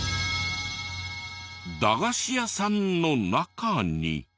駄菓子屋さんの中に。